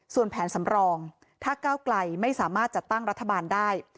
ส่วนแผนสำรองถ้าก้าวไกลไม่สามารถจัดตั้งรัฐบาลได้